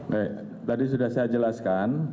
baik tadi sudah saya jelaskan